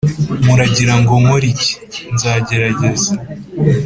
muragira ngo nkore iki? nzagerageza